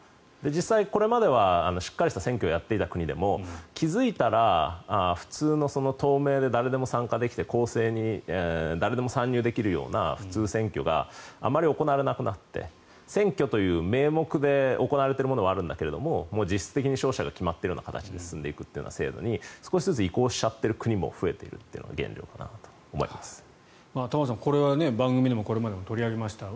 実際、これまではしっかりした選挙をやっていた国でも気付いたら普通の透明で誰でも参加できて公正に誰でも参入できるような普通選挙があまり行われなくなって選挙という名目で行われているものはあるんだけれども、実質的に勝者が決まっているような形で進んでいる形に少しずつ移行しているのが玉川さん、これは番組でもこれまでも何度も取り上げました。